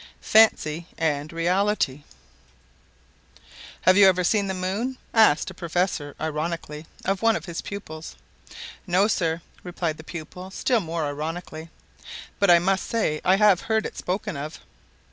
FANCY AND REALITY "Have you ever seen the moon?" asked a professor, ironically, of one of his pupils. "No, sir!" replied the pupil, still more ironically, "but I must say I have heard it spoken of."